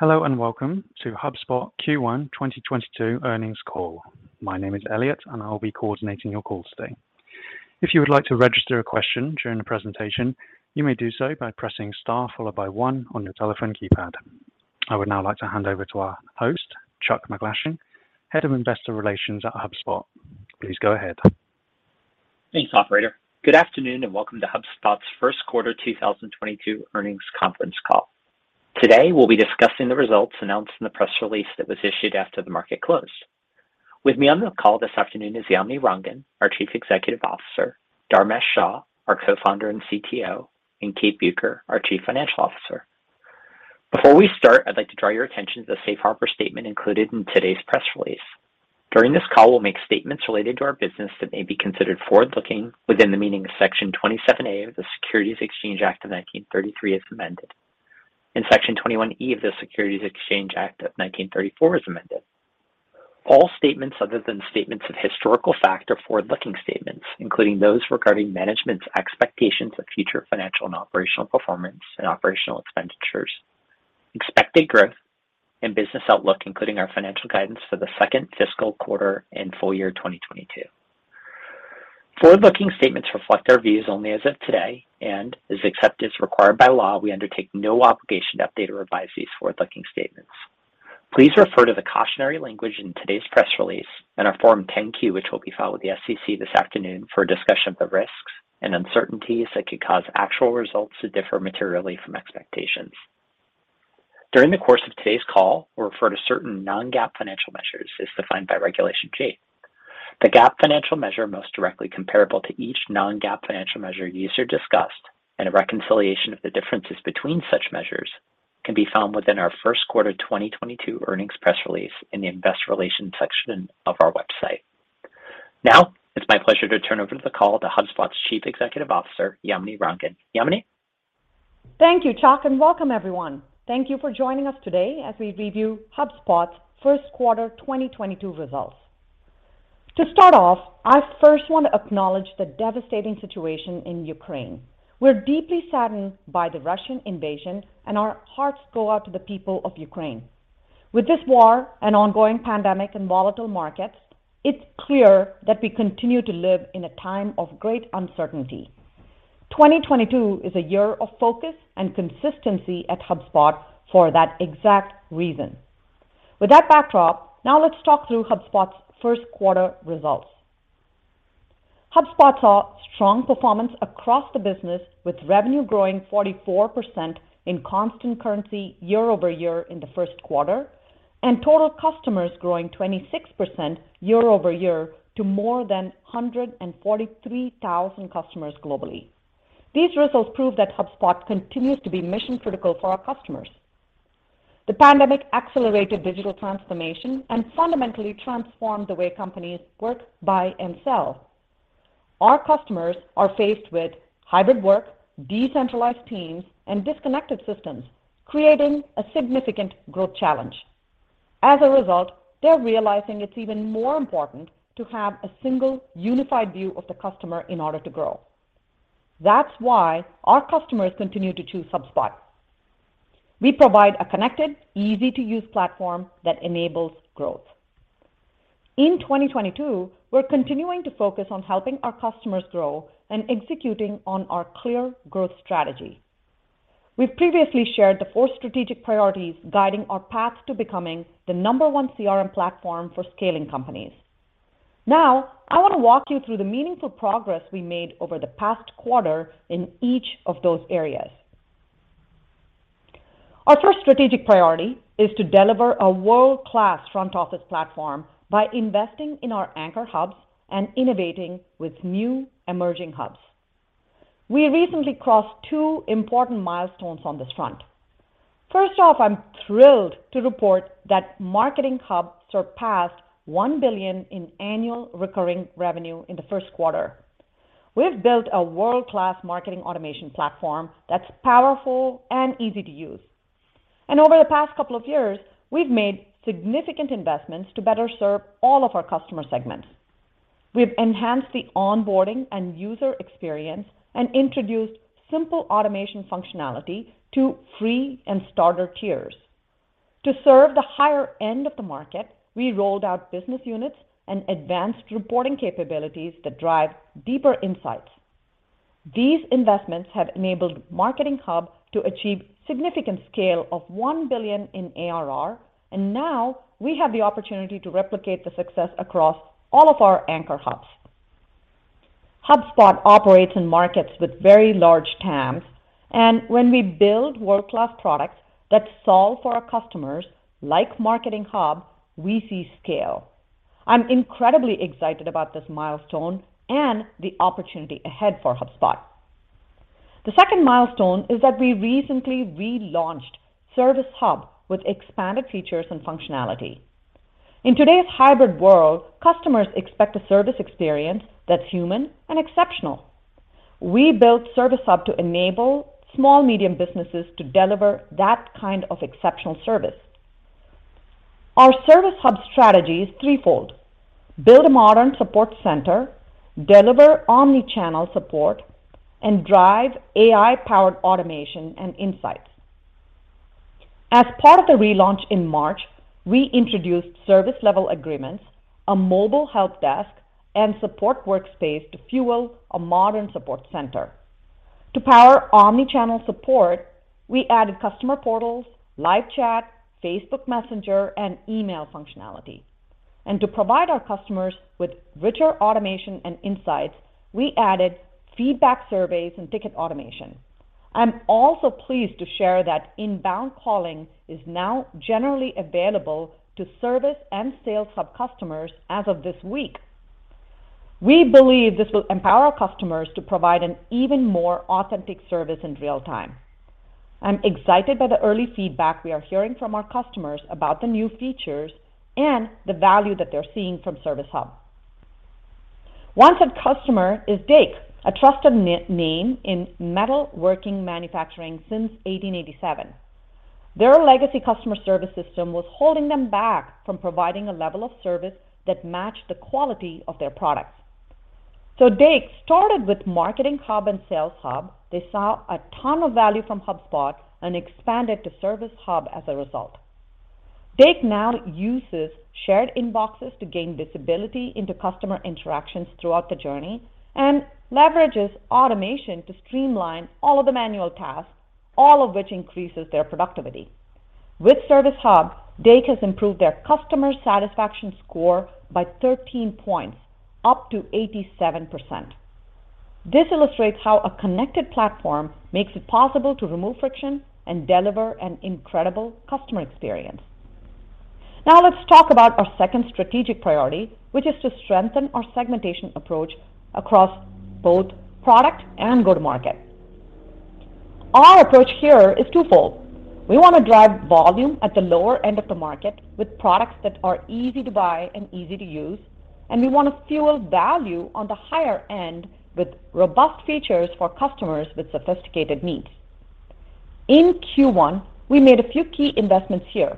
Hello and welcome to HubSpot Q1 2022 earnings call. My name is Elliot, and I'll be coordinating your call today. If you would like to register a question during the presentation, you may do so by pressing Star followed by one on your telephone keypad. I would now like to hand over to our host, Charles MacGlashing, Head of Investor Relations at HubSpot. Please go ahead. Thanks, operator. Good afternoon, and welcome to HubSpot's first quarter 2022 earnings conference call. Today we'll be discussing the results announced in the press release that was issued after the market closed. With me on the call this afternoon is Yamini Rangan, our Chief Executive Officer, Dharmesh Shah, our Co-founder and CTO, and Kate Bueker, our Chief Financial Officer. Before we start, I'd like to draw your attention to the safe harbor statement included in today's press release. During this call, we'll make statements related to our business that may be considered forward-looking within the meaning of Section 27A of the Securities Exchange Act of 1933 as amended and Section 21E of the Securities Exchange Act of 1934 as amended. All statements other than statements of historical fact are forward-looking statements, including those regarding management's expectations of future financial and operational performance and operational expenditures, expected growth and business outlook, including our financial guidance for the second fiscal quarter and full year 2022. Forward-looking statements reflect our views only as of today and, except as required by law, we undertake no obligation to update or revise these forward-looking statements. Please refer to the cautionary language in today's press release and our Form 10-Q, which will be filed with the SEC this afternoon for a discussion of the risks and uncertainties that could cause actual results to differ materially from expectations. During the course of today's call, we'll refer to certain non-GAAP financial measures as defined by Regulation G. The GAAP financial measure most directly comparable to each non-GAAP financial measure used or discussed, and a reconciliation of the differences between such measures can be found within our first quarter 2022 earnings press release in the investor relations section of our website. Now, it's my pleasure to turn the call over to HubSpot's Chief Executive Officer, Yamini Rangan. Yamini? Thank you, Chuck, and welcome everyone. Thank you for joining us today as we review HubSpot's first quarter 2022 results. To start off, I first want to acknowledge the devastating situation in Ukraine. We're deeply saddened by the Russian invasion, and our hearts go out to the people of Ukraine. With this war and ongoing pandemic and volatile markets, it's clear that we continue to live in a time of great uncertainty. 2022 is a year of focus and consistency at HubSpot for that exact reason. With that backdrop, now let's talk through HubSpot's first quarter results. HubSpot saw strong performance across the business, with revenue growing 44% in constant currency year-over-year in the first quarter, and total customers growing 26% year-over-year to more than 143,000 customers globally. These results prove that HubSpot continues to be mission critical for our customers. The pandemic accelerated digital transformation and fundamentally transformed the way companies work, buy, and sell. Our customers are faced with hybrid work, decentralized teams, and disconnected systems, creating a significant growth challenge. As a result, they're realizing it's even more important to have a single unified view of the customer in order to grow. That's why our customers continue to choose HubSpot. We provide a connected, easy-to-use platform that enables growth. In 2022, we're continuing to focus on helping our customers grow and executing on our clear growth strategy. We've previously shared the four strategic priorities guiding our path to becoming the number one CRM platform for scaling companies. Now, I want to walk you through the meaningful progress we made over the past quarter in each of those areas. Our first strategic priority is to deliver a world-class front office platform by investing in our anchor hubs and innovating with new emerging hubs. We recently crossed two important milestones on this front. First off, I'm thrilled to report that Marketing Hub surpassed $1 billion in annual recurring revenue in the first quarter. We've built a world-class marketing automation platform that's powerful and easy to use. Over the past couple of years, we've made significant investments to better serve all of our customer segments. We've enhanced the onboarding and user experience and introduced simple automation functionality to free and starter tiers. To serve the higher end of the market, we rolled out business units and advanced reporting capabilities that drive deeper insights. These investments have enabled Marketing Hub to achieve significant scale of 1 billion in ARR, and now we have the opportunity to replicate the success across all of our anchor hubs. HubSpot operates in markets with very large TAMs, and when we build world-class products that solve for our customers, like Marketing Hub, we see scale. I'm incredibly excited about this milestone and the opportunity ahead for HubSpot. The second milestone is that we recently relaunched Service Hub with expanded features and functionality. In today's hybrid world, customers expect a service experience that's human and exceptional. We built Service Hub to enable small, medium businesses to deliver that kind of exceptional service. Our service hub strategy is threefold, build a modern support center, deliver omni-channel support, and drive AI-powered automation and insights. As part of the relaunch in March, we introduced service level agreements, a mobile helpdesk and support workspace to fuel a modern support center. To power omni-channel support, we added customer portals, live chat, Facebook Messenger and email functionality. To provide our customers with richer automation and insights, we added feedback surveys and ticket automation. I'm also pleased to share that inbound calling is now generally available to Service and Sales Hub customers as of this week. We believe this will empower our customers to provide an even more authentic service in real time. I'm excited by the early feedback we are hearing from our customers about the new features and the value that they're seeing from Service Hub. One such customer is Dake, a trusted name in metalworking manufacturing since 1887. Their legacy customer service system was holding them back from providing a level of service that matched the quality of their products. Dake started with Marketing Hub and Sales Hub. They saw a ton of value from HubSpot and expanded to Service Hub as a result. Dake now uses shared inboxes to gain visibility into customer interactions throughout the journey and leverages automation to streamline all of the manual tasks, all of which increases their productivity. With Service Hub, Dake has improved their customer satisfaction score by 13 points, up to 87%. This illustrates how a connected platform makes it possible to remove friction and deliver an incredible customer experience. Now let's talk about our second strategic priority, which is to strengthen our segmentation approach across both product and go-to-market. Our approach here is twofold. We want to drive volume at the lower end of the market with products that are easy to buy and easy to use, and we want to fuel value on the higher end with robust features for customers with sophisticated needs. In Q1, we made a few key investments here.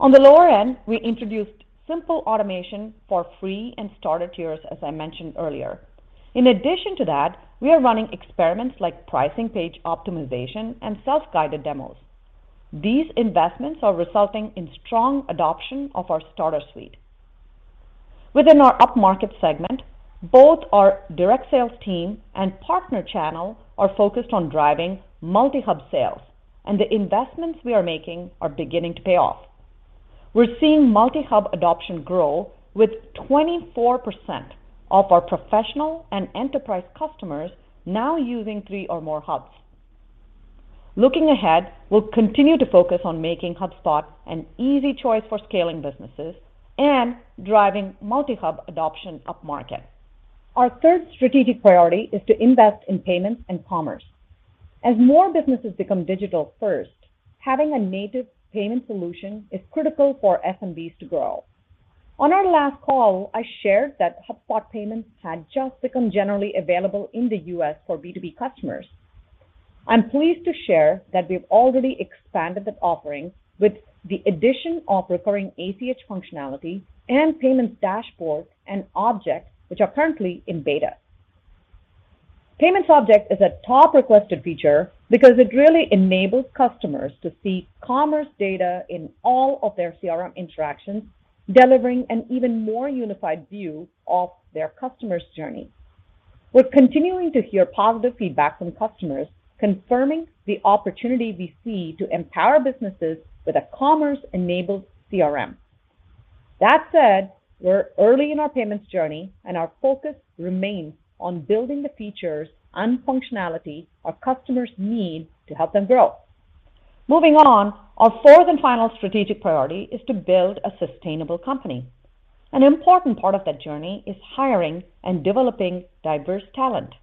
On the lower end, we introduced simple automation for free and starter tiers, as I mentioned earlier. In addition to that, we are running experiments like pricing, page optimization, and self-guided demos. These investments are resulting in strong adoption of our starter suite. Within our upmarket segment, both our direct sales team and partner channel are focused on driving multi-hub sales, and the investments we are making are beginning to pay off. We're seeing multi-hub adoption grow with 24% of our professional and enterprise customers now using three or more hubs. Looking ahead, we'll continue to focus on making HubSpot an easy choice for scaling businesses and driving multi-hub adoption upmarket. Our third strategic priority is to invest in payments and commerce. As more businesses become digital-first, having a native payment solution is critical for SMBs to grow. On our last call, I shared that HubSpot Payments had just become generally available in the U.S. for B2B customers. I'm pleased to share that we've already expanded that offering with the addition of recurring ACH functionality and payments dashboard and objects which are currently in beta. Payments object is a top requested feature because it really enables customers to see commerce data in all of their CRM interactions, delivering an even more unified view of their customers' journey. We're continuing to hear positive feedback from customers confirming the opportunity we see to empower businesses with a commerce-enabled CRM. That said, we're early in our payments journey and our focus remains on building the features and functionality our customers need to help them grow. Moving on, our fourth and final strategic priority is to build a sustainable company. An important part of that journey is hiring and developing diverse talent.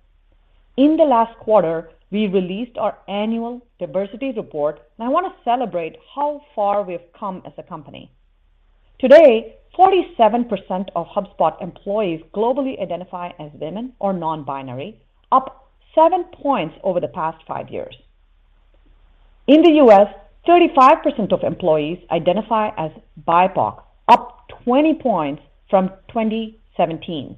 In the last quarter, we released our annual diversity report and I want to celebrate how far we've come as a company. Today, 47% of HubSpot employees globally identify as women or non-binary, up 7 points over the past 5 years. In the U.S., 35% of employees identify as BIPOC, up 20 points from 2017.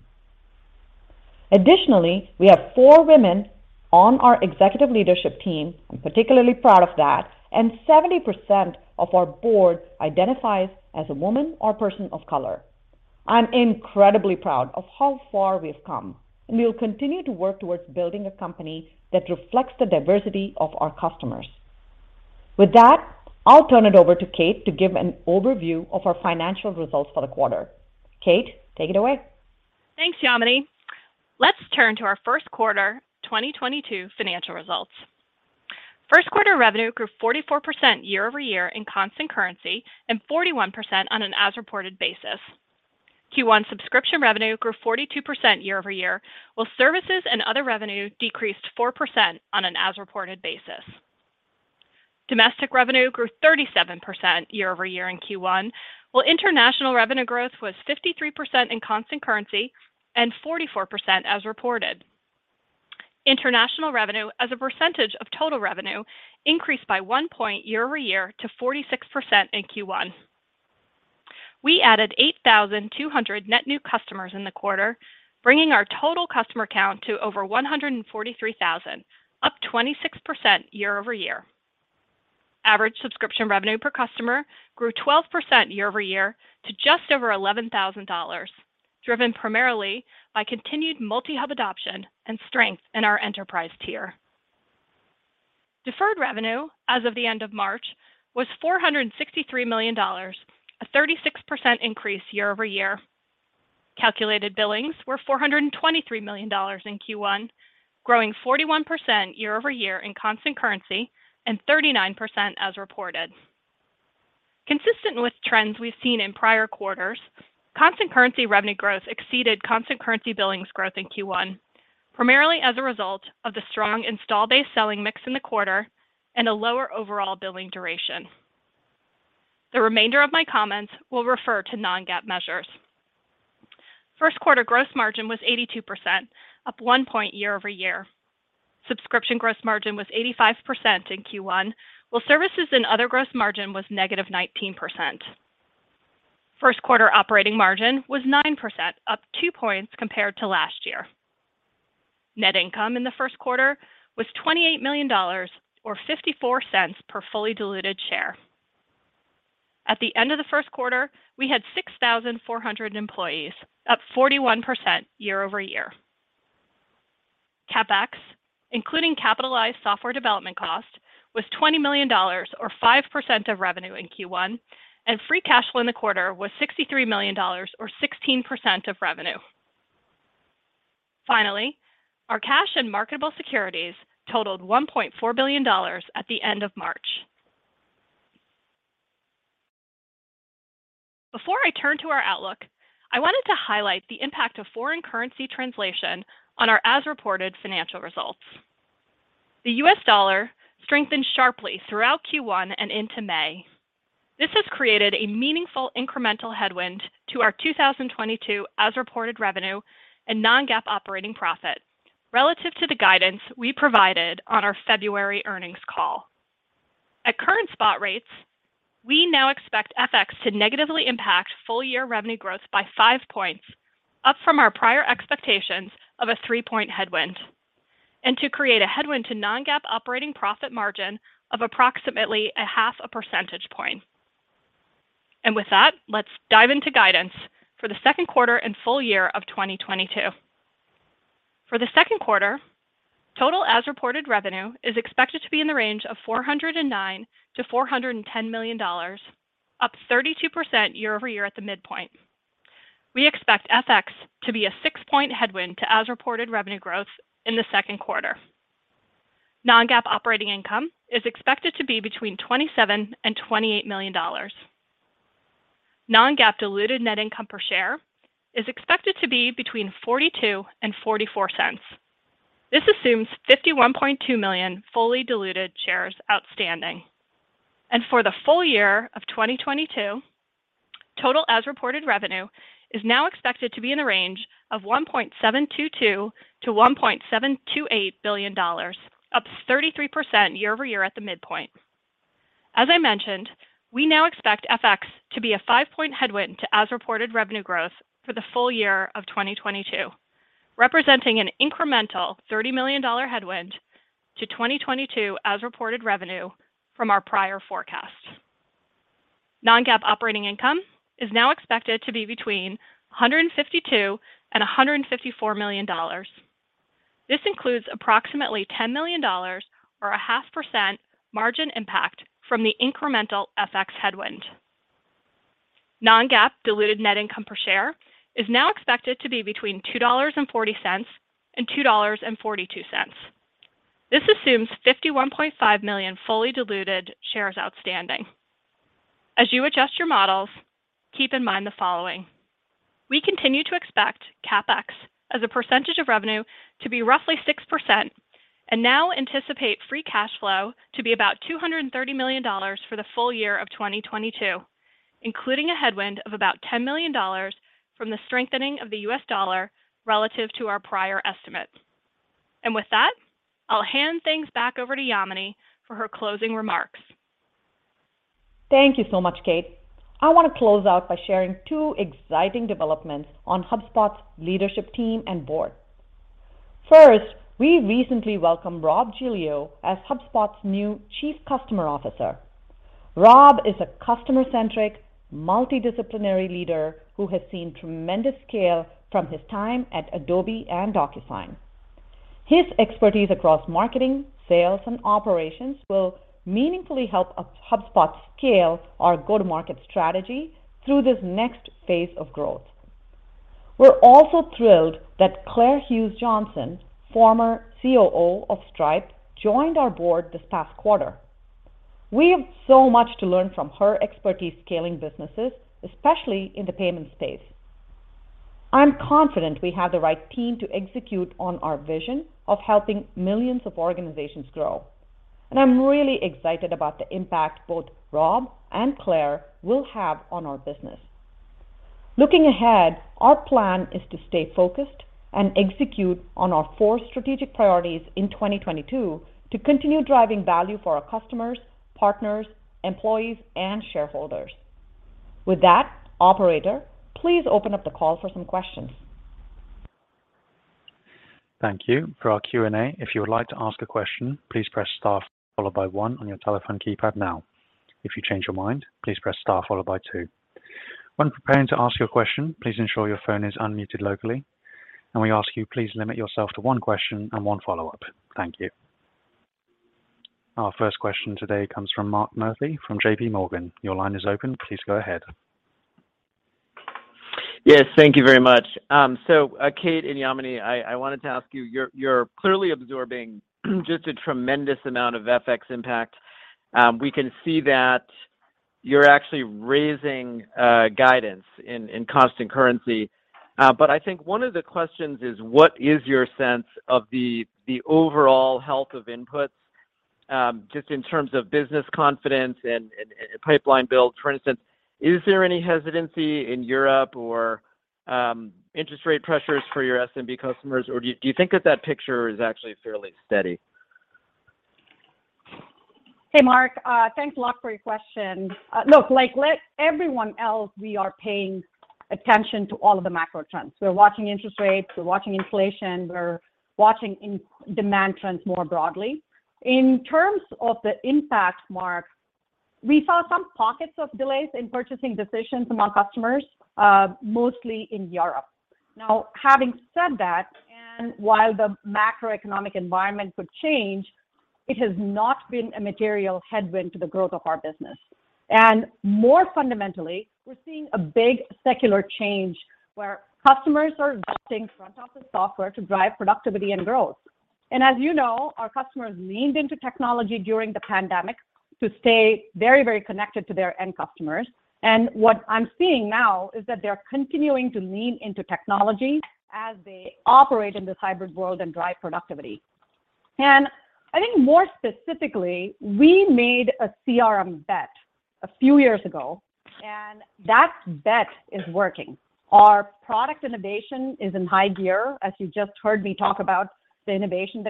Additionally, we have 4 women on our executive leadership team. I'm particularly proud of that, and 70% of our board identifies as a woman or person of color. I'm incredibly proud of how far we've come, and we will continue to work towards building a company that reflects the diversity of our customers. With that, I'll turn it over to Kate to give an overview of our financial results for the quarter. Kate, take it away. Thanks, Yamini. Let's turn to our Q1 2022 financial results. Q1 revenue grew 44% year-over-year in constant currency and 41% on an as-reported basis. Q1 subscription revenue grew 42% year-over-year, while services and other revenue decreased 4% on an as-reported basis. Domestic revenue grew 37% year-over-year in Q1, while international revenue growth was 53% in constant currency and 44% as reported. International revenue as a percentage of total revenue increased by 1 point year-over-year to 46% in Q1. We added 8,200 net new customers in the quarter, bringing our total customer count to over 143,000, up 26% year-over-year. Average subscription revenue per customer grew 12% year over year to just over $11,000, driven primarily by continued multi-hub adoption and strength in our enterprise tier. Deferred revenue as of the end of March was $463 million, a 36% increase year over year. Calculated billings were $423 million in Q1, growing 41% year over year in constant currency and 39% as reported. Consistent with trends we've seen in prior quarters, constant currency revenue growth exceeded constant currency billings growth in Q1, primarily as a result of the strong install base selling mix in the quarter and a lower overall billing duration. The remainder of my comments will refer to non-GAAP measures. First quarter gross margin was 82%, up 1 point year over year. Subscription gross margin was 85% in Q1, while services and other gross margin was -19%. First quarter operating margin was 9%, up 2 points compared to last year. Net income in the first quarter was $28 million or $0.54 per fully diluted share. At the end of the first quarter, we had 6,400 employees, up 41% year-over-year. CapEx, including capitalized software development cost, was $20 million or 5% of revenue in Q1, and free cash flow in the quarter was $63 million or 16% of revenue. Finally, our cash and marketable securities totaled $1.4 billion at the end of March. Before I turn to our outlook, I wanted to highlight the impact of foreign currency translation on our as-reported financial results. The US dollar strengthened sharply throughout Q1 and into May. This has created a meaningful incremental headwind to our 2022 as-reported revenue and non-GAAP operating profit relative to the guidance we provided on our February earnings call. At current spot rates, we now expect FX to negatively impact full-year revenue growth by 5 points, up from our prior expectations of a 3-point headwind, and to create a headwind to non-GAAP operating profit margin of approximately a half a percentage point. With that, let's dive into guidance for the second quarter and full year of 2022. For the second quarter, total as-reported revenue is expected to be in the range of $409 million-$410 million, up 32% year-over-year at the midpoint. We expect FX to be a 6-point headwind to as-reported revenue growth in the second quarter. non-GAAP operating income is expected to be between $27-$28 million. non-GAAP diluted net income per share is expected to be between $0.42 and $0.44. This assumes 51.2 million fully diluted shares outstanding. For the full year of 2022, total as-reported revenue is now expected to be in the range of $1.722-$1.728 billion, up 33% year-over-year at the midpoint. As I mentioned, we now expect FX to be a 5-point headwind to as-reported revenue growth for the full year of 2022, representing an incremental $30 million headwind to 2022 as-reported revenue from our prior forecast. non-GAAP operating income is now expected to be between $152-$154 million. This includes approximately $10 million or a 0.5% margin impact from the incremental FX headwind. Non-GAAP diluted net income per share is now expected to be between $2.40 and $2.42. This assumes 51.5 million fully diluted shares outstanding. As you adjust your models, keep in mind the following. We continue to expect CapEx as a percentage of revenue to be roughly 6% and now anticipate free cash flow to be about $230 million for the full year of 2022, including a headwind of about $10 million from the strengthening of the US dollar relative to our prior estimates. With that, I'll hand things back over to Yamini for her closing remarks. Thank you so much, Kate. I want to close out by sharing two exciting developments on HubSpot's leadership team and board. First, we recently welcomed Rob Giglio as HubSpot's new Chief Customer Officer. Rob is a customer-centric, multidisciplinary leader who has seen tremendous scale from his time at Adobe and DocuSign. His expertise across marketing, sales, and operations will meaningfully help HubSpot scale our go-to-market strategy through this next phase of growth. We're also thrilled that Claire Hughes Johnson, former COO of Stripe, joined our board this past quarter. We have so much to learn from her expertise scaling businesses, especially in the payment space. I'm confident we have the right team to execute on our vision of helping millions of organizations grow, and I'm really excited about the impact both Rob and Claire will have on our business. Looking ahead, our plan is to stay focused and execute on our four strategic priorities in 2022 to continue driving value for our customers, partners, employees, and shareholders. With that, operator, please open up the call for some questions. Thank you. For our Q&A, if you would like to ask a question, please press star followed by one on your telephone keypad now. If you change your mind, please press star followed by two. When preparing to ask your question, please ensure your phone is unmuted locally, and we ask you please limit yourself to one question and one follow-up. Thank you. Our first question today comes from Mark Murphy from JP Morgan. Your line is open. Please go ahead. Yes. Thank you very much. Kate and Yamini, I wanted to ask you're clearly absorbing just a tremendous amount of FX impact. We can see that you're actually raising guidance in constant currency. I think one of the questions is what is your sense of the overall health of inputs, just in terms of business confidence and pipeline builds? For instance, is there any hesitancy in Europe or interest rate pressures for your SMB customers, or do you think that picture is actually fairly steady? Hey, Mark. Thanks a lot for your question. Look, like everyone else, we are paying attention to all of the macro trends. We're watching interest rates. We're watching inflation. We're watching demand trends more broadly. In terms of the impact, Mark, we saw some pockets of delays in purchasing decisions among customers, mostly in Europe. Now, having said that, and while the macroeconomic environment could change, it has not been a material headwind to the growth of our business. More fundamentally, we're seeing a big secular change where customers are investing front office software to drive productivity and growth. As you know, our customers leaned into technology during the pandemic to stay very, very connected to their end customers. What I'm seeing now is that they're continuing to lean into technology as they operate in this hybrid world and drive productivity. I think more specifically, we made a CRM bet a few years ago, and that bet is working. Our product innovation is in high gear, as you just heard me talk about the innovation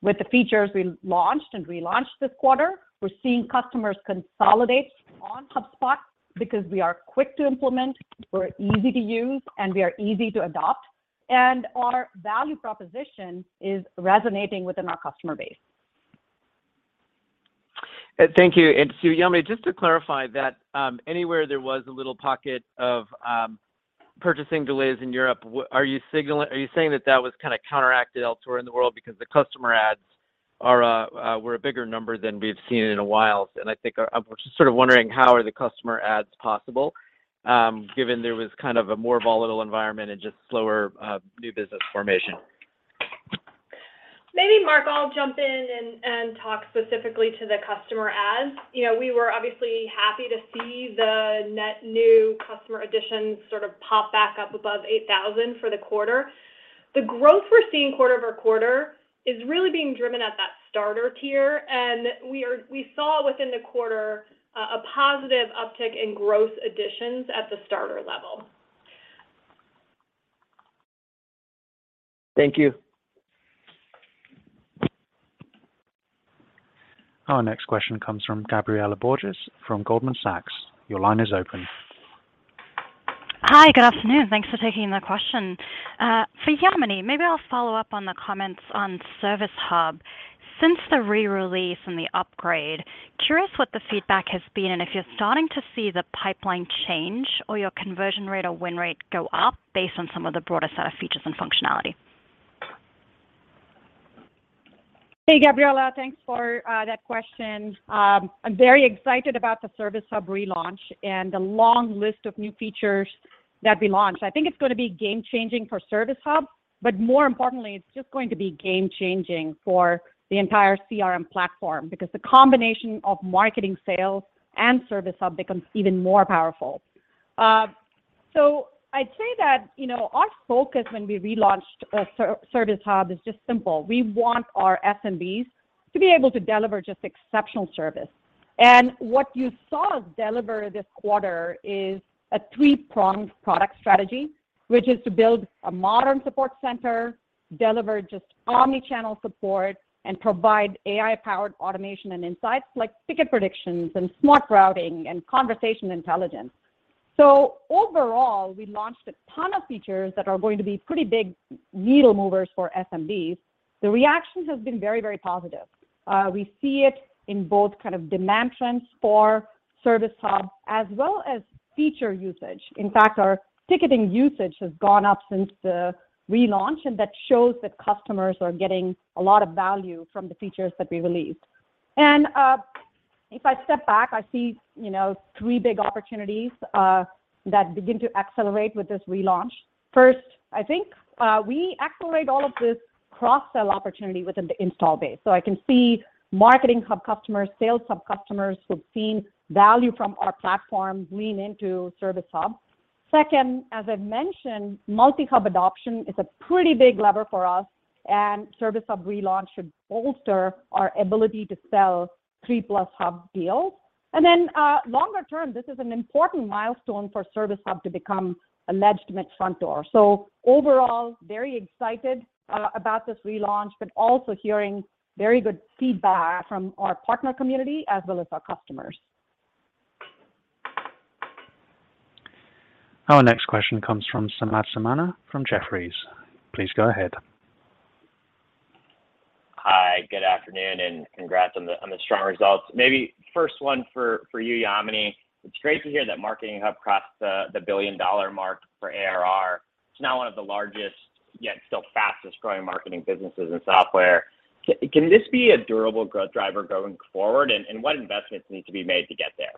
with the features we launched and relaunched this quarter. We're seeing customers consolidate on HubSpot because we are quick to implement, we're easy to use, and we are easy to adopt, and our value proposition is resonating within our customer base. Thank you. Yamini, just to clarify that, anywhere there was a little pocket of purchasing delays in Europe, are you signaling? Are you saying that that was kinda counteracted elsewhere in the world because the customer adds were a bigger number than we've seen in a while? I think I'm just sort of wondering how are the customer adds possible, given there was kind of a more volatile environment and just slower new business formation? Maybe, Mark, I'll jump in and talk specifically to the customer adds. You know, we were obviously happy to see the net new customer additions sort of pop back up above 8,000 for the quarter. The growth we're seeing quarter-over-quarter is really being driven at that starter tier, and we saw within the quarter a positive uptick in growth additions at the starter level. Thank you. Our next question comes from Gabriela Borges from Goldman Sachs. Your line is open. Hi. Good afternoon. Thanks for taking the question. For Yamini, maybe I'll follow up on the comments on Service Hub. Since the re-release and the upgrade, curious what the feedback has been and if you're starting to see the pipeline change or your conversion rate or win rate go up based on some of the broader set of features and functionality? Hey, Gabriela. Thanks for that question. I'm very excited about the Service Hub relaunch and the long list of new features that we launched. I think it's gonna be game-changing for Service Hub, but more importantly, it's just going to be game-changing for the entire CRM platform because the combination of marketing, sales, and Service Hub becomes even more powerful. I'd say that, you know, our focus when we relaunched Service Hub is just simple. We want our SMBs to be able to deliver just exceptional service. What you saw us deliver this quarter is a three-pronged product strategy, which is to build a modern support center, deliver just omni-channel support, and provide AI-powered automation and insights like ticket predictions and smart routing and conversation intelligence. Overall, we launched a ton of features that are going to be pretty big needle movers for SMBs. The reactions have been very, very positive. We see it in both kind of demand trends for Service Hub as well as feature usage. In fact, our ticketing usage has gone up since the relaunch, and that shows that customers are getting a lot of value from the features that we released. If I step back, I see, you know, three big opportunities that begin to accelerate with this relaunch. First, I think, we accelerate all of this cross-sell opportunity within the install base. I can see Marketing Hub customers, Sales Hub customers who've seen value from our platforms lean into Service Hub. Second, as I've mentioned, multi-hub adoption is a pretty big lever for us, and Service Hub relaunch should bolster our ability to sell three-plus hub deals. Longer term, this is an important milestone for Service Hub to become a legitimate front door. Overall, very excited about this relaunch, but also hearing very good feedback from our partner community as well as our customers. Our next question comes from Samad Samana from Jefferies. Please go ahead. Hi, good afternoon and congrats on the strong results. Maybe first one for you, Yamini. It's great to hear that Marketing Hub crossed the billion-dollar mark for ARR. It's now one of the largest, yet still fastest-growing marketing businesses in software. Can this be a durable growth driver going forward? What investments need to be made to get there?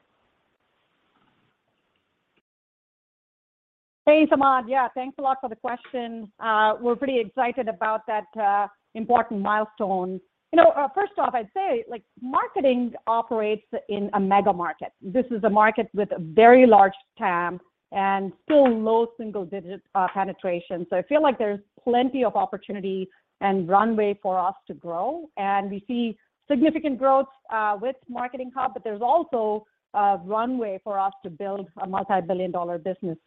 Hey, Samad. Yeah, thanks a lot for the question. We're pretty excited about that important milestone. You know, first off, I'd say, like, marketing operates in a mega market. This is a market with a very large TAM and still in low single digits penetration. I feel like there's plenty of opportunity and runway for us to grow. We see significant growth with Marketing Hub, but there's also a runway for us to build a multi-billion dollar business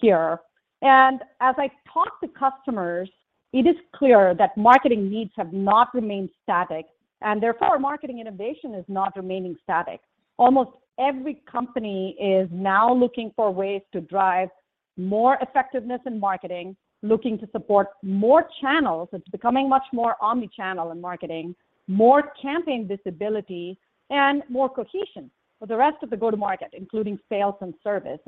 here. As I talk to customers, it is clear that marketing needs have not remained static, and therefore marketing innovation is not remaining static. Almost every company is now looking for ways to drive more effectiveness in marketing, looking to support more channels. It's becoming much more omni-channel in marketing, more campaign visibility and more cohesion with the rest of the go-to-market, including sales and service.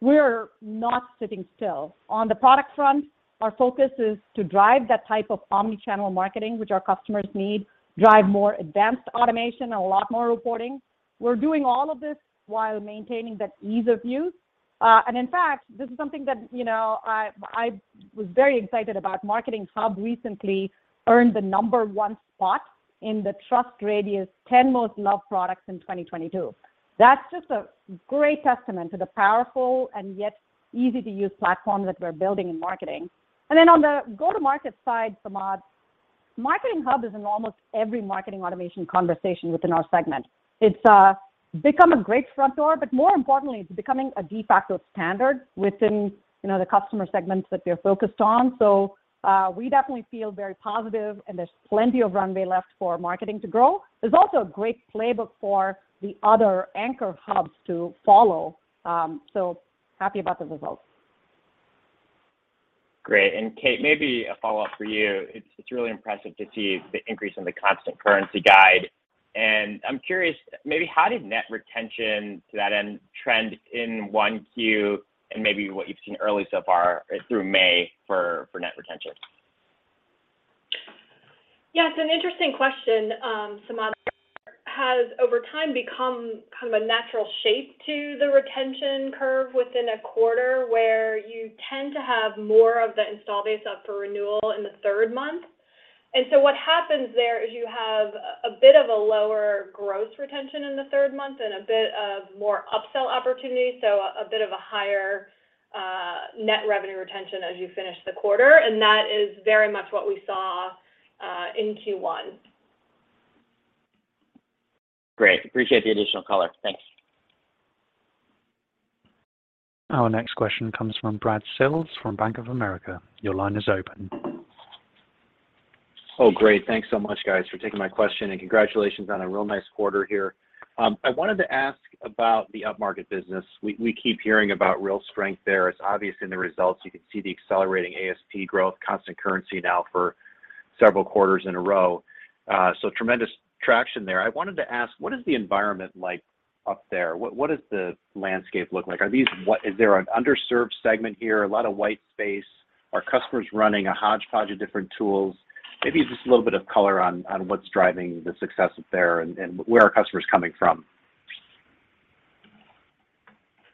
We're not sitting still. On the product front, our focus is to drive that type of omni-channel marketing, which our customers need, drive more advanced automation, a lot more reporting. We're doing all of this while maintaining that ease of use. In fact, this is something that, you know, I was very excited about. Marketing Hub recently earned the number 1 spot in the TrustRadius 10 Most Loved Products in 2022. That's just a great testament to the powerful and yet easy-to-use platform that we're building in marketing. On the go-to-market side, Samad, Marketing Hub is in almost every marketing automation conversation within our segment. It's become a great front door, but more importantly, it's becoming a de facto standard within, you know, the customer segments that we're focused on. We definitely feel very positive, and there's plenty of runway left for marketing to grow. There's also a great playbook for the other anchor hubs to follow. Happy about the results. Great. Kate, maybe a follow-up for you. It's really impressive to see the increase in the constant currency guidance, and I'm curious maybe how did net retention to that end trend in 1Q, and maybe what you've seen early so far through May for net retention? Yeah, it's an interesting question, Samad. Has over time become kind of a natural shape to the retention curve within a quarter, where you tend to have more of the installed base up for renewal in the third month. What happens there is you have a bit of a lower gross retention in the third month and a bit of more upsell opportunities, so a bit of a higher, net revenue retention as you finish the quarter. That is very much what we saw in Q1. Great. Appreciate the additional color. Thanks. Our next question comes from Brad Sills from Bank of America. Your line is open. Oh, great. Thanks so much, guys, for taking my question, and congratulations on a real nice quarter here. I wanted to ask about the upmarket business. We keep hearing about real strength there. It's obvious in the results. You can see the accelerating ASP growth, constant currency now for several quarters in a row. Tremendous traction there. I wanted to ask, what is the environment like up there? What does the landscape look like? Is there an underserved segment here, a lot of white space? Are customers running a hodgepodge of different tools? Maybe just a little bit of color on what's driving the success there and where are customers coming from.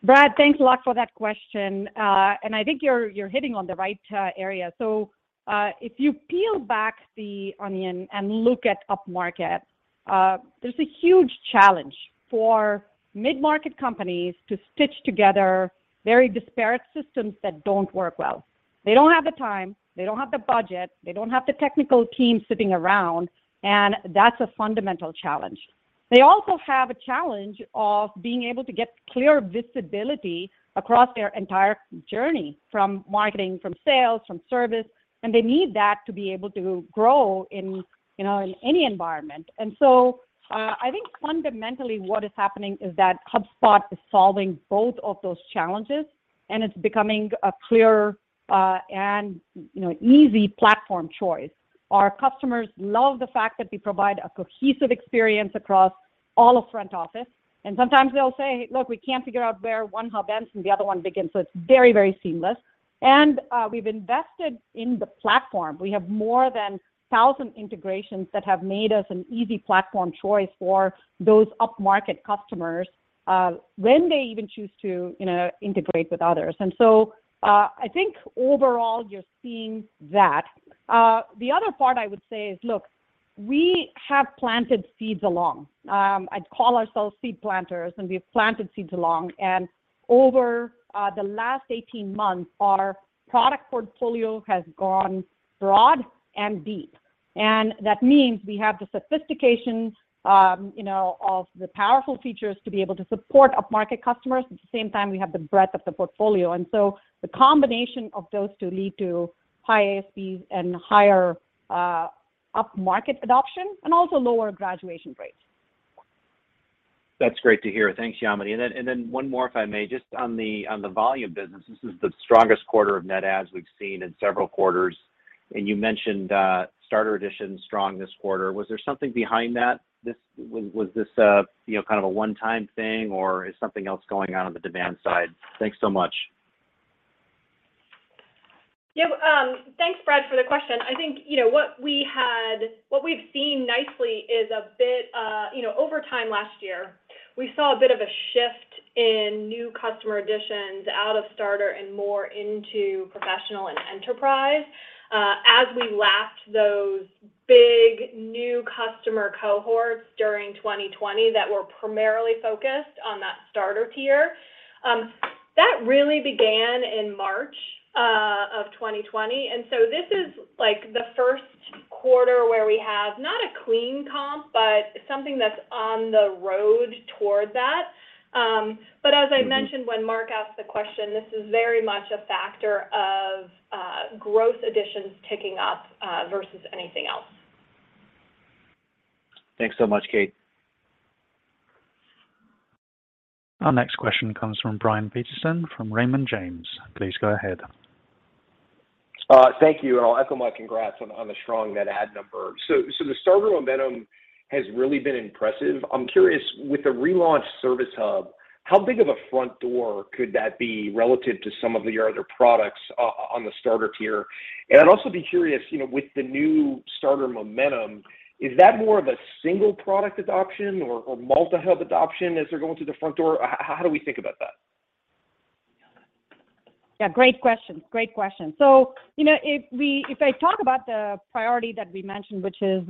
Brad, thanks a lot for that question. I think you're hitting on the right area. If you peel back the onion and look at upmarket, there's a huge challenge for mid-market companies to stitch together very disparate systems that don't work well. They don't have the time, they don't have the budget, they don't have the technical team sitting around, and that's a fundamental challenge. They also have a challenge of being able to get clear visibility across their entire journey, from marketing, from sales, from service, and they need that to be able to grow in, you know, in any environment. I think fundamentally what is happening is that HubSpot is solving both of those challenges, and it's becoming a clear and, you know, easy platform choice. Our customers love the fact that we provide a cohesive experience across all of front office, and sometimes they'll say, "Look, we can't figure out where one hub ends and the other one begins." It's very, very seamless. We've invested in the platform. We have more than 1,000 integrations that have made us an easy platform choice for those upmarket customers, when they even choose to, you know, integrate with others. I think overall you're seeing that. The other part I would say is, look, we have planted seeds along. I'd call ourselves seed planters, and we've planted seeds along. Over the last 18 months, our product portfolio has gone broad and deep. That means we have the sophistication, you know, of the powerful features to be able to support up-market customers. At the same time, we have the breadth of the portfolio. The combination of those two lead to high ASPs and higher, up-market adoption and also lower graduation rates. That's great to hear. Thanks, Yamini. One more, if I may, just on the volume business. This is the strongest quarter of net adds we've seen in several quarters, and you mentioned starter edition strong this quarter. Was there something behind that? Was this a, you know, kind of a one-time thing, or is something else going on the demand side? Thanks so much. Yeah. Thanks, Brad, for the question. I think, you know, what we've seen nicely is a bit, you know, over time last year, we saw a bit of a shift in new customer additions out of starter and more into professional and enterprise, as we lapped those big new customer cohorts during 2020 that were primarily focused on that starter tier. That really began in March of 2020, and so this is, like, the first quarter where we have not a clean comp, but something that's on the road toward that. As I mentioned. Mm-hmm When Mark asked the question, this is very much a factor of growth additions ticking up, versus anything else. Thanks so much, Kate. Our next question comes from Brian Peterson from Raymond James. Please go ahead. Thank you, I'll echo my congrats on the strong net add number. The starter momentum has really been impressive. I'm curious, with the relaunched Service Hub, how big of a front door could that be relative to some of your other products on the starter tier? I'd also be curious, you know, with the new starter momentum, is that more of a single product adoption or multi-hub adoption as they're going through the front door? How do we think about that? Yeah, great question. You know, if I talk about the priority that we mentioned, which is,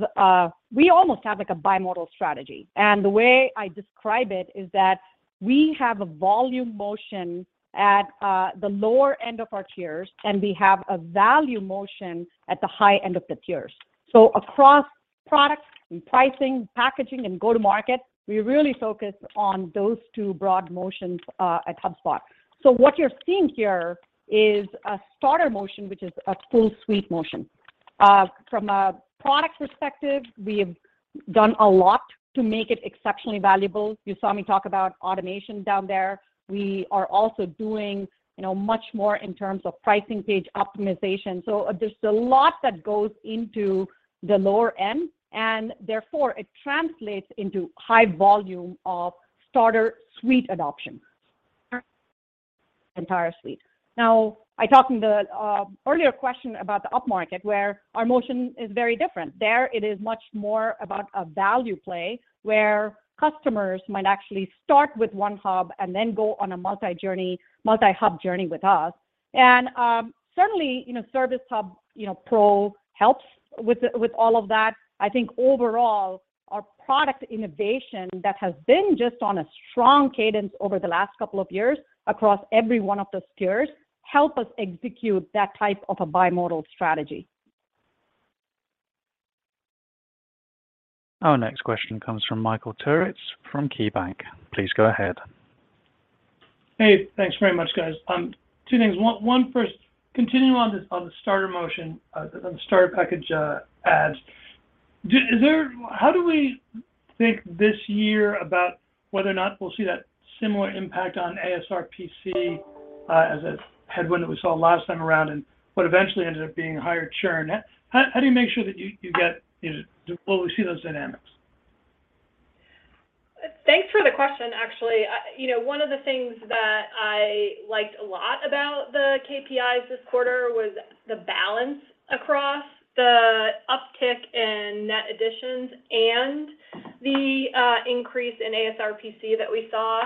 we almost have, like, a bimodal strategy, and the way I describe it is that we have a volume motion at the lower end of our tiers, and we have a value motion at the high end of the tiers. Across products and pricing, packaging and go-to-market, we really focus on those two broad motions at HubSpot. What you're seeing here is a starter motion, which is a full suite motion. From a product perspective, we have done a lot to make it exceptionally valuable. You saw me talk about automation down there. We are also doing, you know, much more in terms of pricing page optimization. There's a lot that goes into the lower end, and therefore, it translates into high volume of starter suite adoption. Entire suite. I talked in the earlier question about the up-market, where our motion is very different. There, it is much more about a value play, where customers might actually start with one hub and then go on a multi-journey, multi-hub journey with us. Certainly, you know, Service Hub, you know, Pro helps with all of that. I think overall, our product innovation that has been just on a strong cadence over the last couple of years across every one of those tiers help us execute that type of a bimodal strategy. Our next question comes from Michael Turits from KeyBanc. Please go ahead. Hey, thanks very much, guys. Two things. One first, continuing on the starter customer, on the starter package. How do we think this year about whether or not we'll see that similar impact on ASRPC as a headwind that we saw last time around, and what eventually ended up being higher churn? How do you make sure that you get. Will we see those dynamics? Thanks for the question, actually. You know, one of the things that I liked a lot about the KPIs this quarter was the balance across the uptick in net additions and the increase in ASRPC that we saw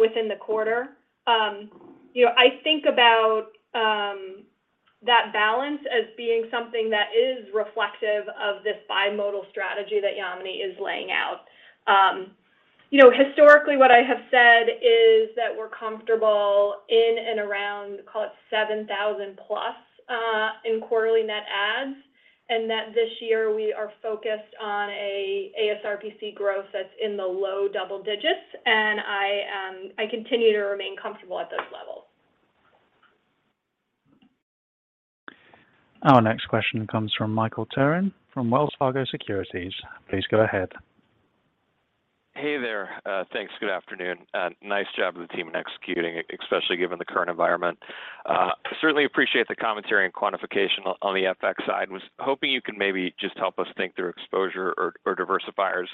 within the quarter. You know, I think about that balance as being something that is reflective of this bimodal strategy that Yamini is laying out. You know, historically, what I have said is that we're comfortable in and around, call it 7,000+, in quarterly net adds, and that this year we are focused on ASRPC growth that's in the low double digits, and I continue to remain comfortable at those levels. Our next question comes from Michael Turrin from Wells Fargo Securities. Please go ahead. Hey there. Thanks. Good afternoon. Nice job to the team in executing, especially given the current environment. Certainly appreciate the commentary and quantification on the FX side. Was hoping you could maybe just help us think through exposure or diversifiers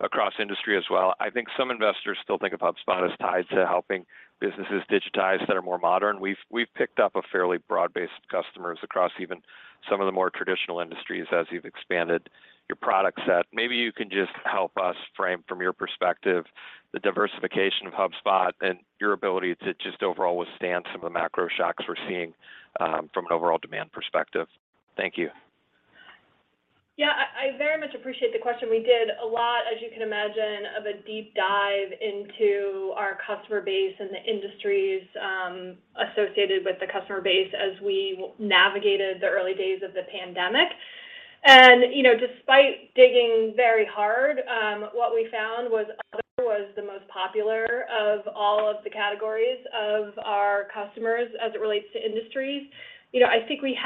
across industry as well. I think some investors still think of HubSpot as tied to helping businesses digitize that are more modern. We've picked up a fairly broad base of customers across even some of the more traditional industries as you've expanded your product set. Maybe you can just help us frame from your perspective the diversification of HubSpot and your ability to just overall withstand some of the macro shocks we're seeing from an overall demand perspective. Thank you. I very much appreciate the question. We did a lot, as you can imagine, of a deep dive into our customer base and the industries, associated with the customer base as we navigated the early days of the pandemic. You know, despite digging very hard, what we found was, other was the most popular of all of the categories of our customers as it relates to industries. You know, I think we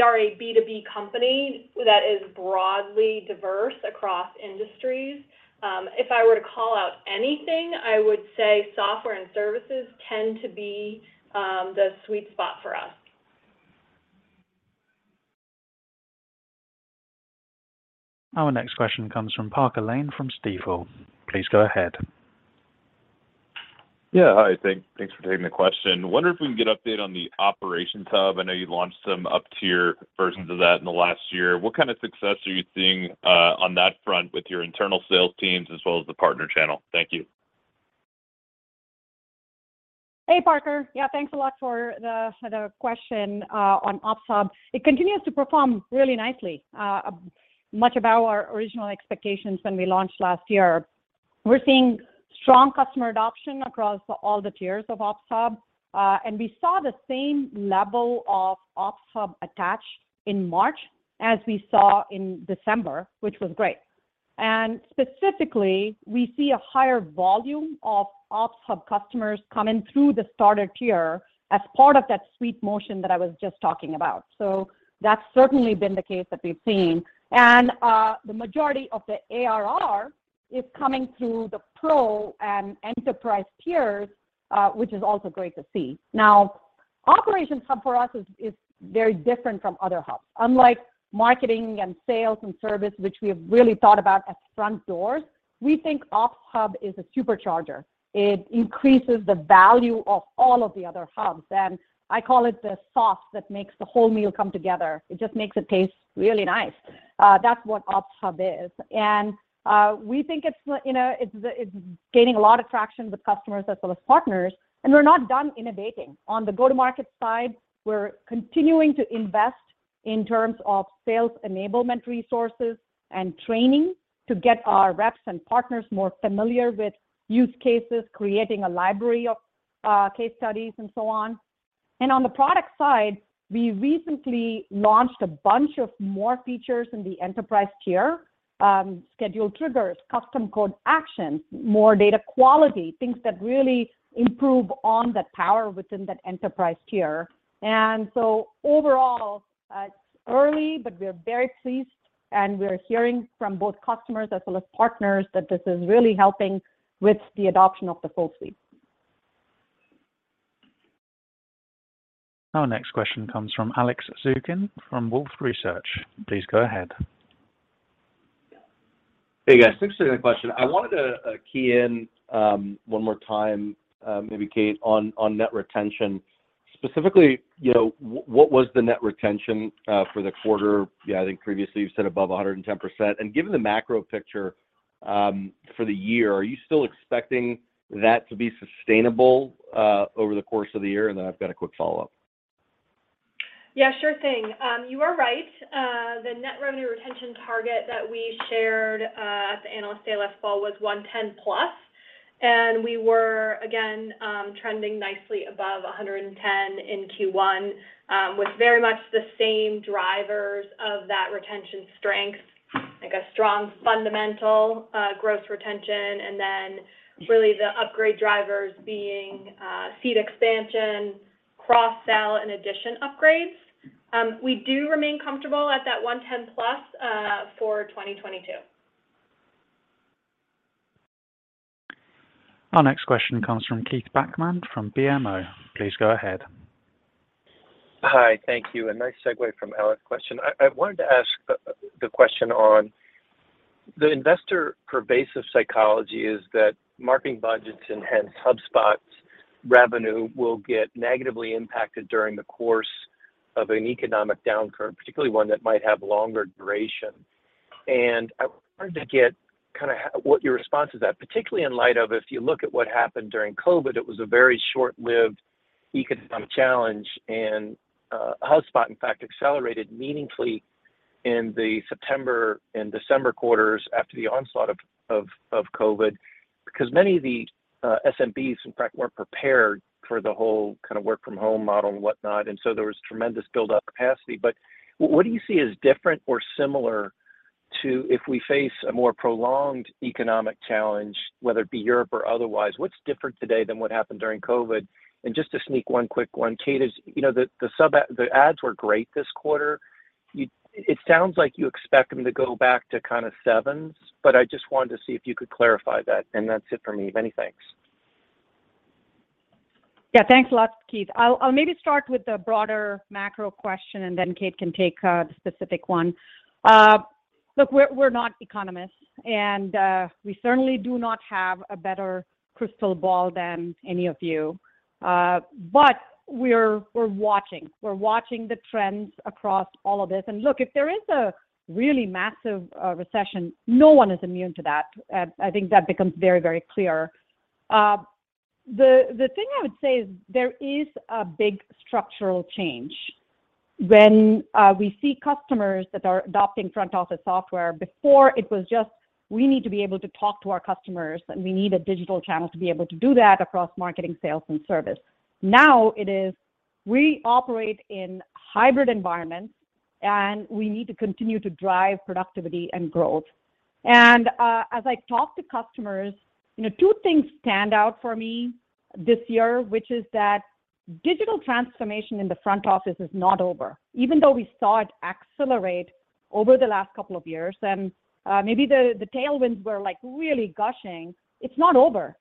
are a B2B company that is broadly diverse across industries. If I were to call out anything, I would say software and services tend to be, the sweet spot for us. Our next question comes from Parker Lane from Stifel. Please go ahead. Yeah, hi. Thanks for taking the question. Wondering if we can get update on the Operations Hub. I know you launched some up-tier versions of that in the last year. What kind of success are you seeing on that front with your internal sales teams as well as the partner channel? Thank you. Hey, Parker. Yeah, thanks a lot for the question on Operations Hub. It continues to perform really nicely, much above our original expectations when we launched last year. We're seeing strong customer adoption across all the tiers of Operations Hub, and we saw the same level of Operations Hub attach in March as we saw in December, which was great. Specifically, we see a higher volume of Operations Hub customers coming through the starter tier as part of that suite motion that I was just talking about. So that's certainly been the case that we've seen. The majority of the ARR is coming through the Pro and Enterprise tiers, which is also great to see. Now, Operations Hub for us is very different from other hubs. Unlike marketing and sales and service, which we have really thought about as front doors, we think Operations Hub is a supercharger. It increases the value of all of the other hubs, and I call it the sauce that makes the whole meal come together. It just makes it taste really nice. That's what Operations Hub is. We think it's, you know, gaining a lot of traction with customers as well as partners, and we're not done innovating. On the go-to-market side, we're continuing to invest in terms of sales enablement resources and training to get our reps and partners more familiar with use cases, creating a library of case studies and so on. On the product side, we recently launched a bunch of more features in the Enterprise tier, scheduled triggers, custom code actions, more data quality, things that really improve on the power within that Enterprise tier. Overall, it's early, but we're very pleased, and we're hearing from both customers as well as partners that this is really helping with the adoption of the full suite. Our next question comes from Alex Zukin from Wolfe Research. Please go ahead. Hey, guys. Thanks for the question. I wanted to key in one more time, maybe Kate, on net retention. Specifically, you know, what was the net retention for the quarter? Yeah, I think previously you said above 110%. Given the macro picture for the year, are you still expecting that to be sustainable over the course of the year? I've got a quick follow-up. Yeah, sure thing. You are right. The net revenue retention target that we shared at the Analyst Day last fall was 110+, and we were again trending nicely above 110 in Q1, with very much the same drivers of that retention strength, like a strong fundamental gross retention and then really the upgrade drivers being seat expansion, cross-sell and addition upgrades. We do remain comfortable at that 110+, for 2022. Our next question comes from Keith Bachman from BMO. Please go ahead. Hi. Thank you, and nice segue from Alex's question. I wanted to ask the question on the pervasive investor psychology that marketing budgets and hence HubSpot's revenue will get negatively impacted during the course of an economic downturn, particularly one that might have longer duration. I wanted to get kinda what your response is to that, particularly in light of if you look at what happened during COVID. It was a very short-lived economic challenge, and HubSpot in fact accelerated meaningfully in the September and December quarters after the onslaught of COVID because many of the SMBs in fact weren't prepared for the whole kind of work from home model and whatnot. There was tremendous buildup capacity. What do you see as different or similar to if we face a more prolonged economic challenge, whether it be Europe or otherwise, what's different today than what happened during COVID? Just to sneak one quick one, Kate, you know, the ads were great this quarter. It sounds like you expect them to go back to kind of sevens, but I just wanted to see if you could clarify that. That's it for me. Many thanks. Yeah, thanks a lot, Keith. I'll maybe start with the broader macro question, and then Kate can take the specific one. Look, we're not economists and we certainly do not have a better crystal ball than any of you. But we're watching. We're watching the trends across all of this. Look, if there is a really massive recession, no one is immune to that. I think that becomes very clear. The thing I would say is there is a big structural change. When we see customers that are adopting front office software, before it was just, we need to be able to talk to our customers, and we need a digital channel to be able to do that across marketing, sales, and service. Now it is we operate in hybrid environments, and we need to continue to drive productivity and growth. As I talk to customers, you know, two things stand out for me this year, which is that digital transformation in the front office is not over. Even though we saw it accelerate over the last couple of years, maybe the tailwinds were, like, really gushing, it's not over.